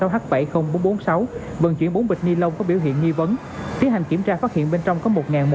h bảy mươi nghìn bốn trăm bốn mươi sáu vận chuyển bốn bịch ni lông có biểu hiện nghi vấn tiến hành kiểm tra phát hiện bên trong có một một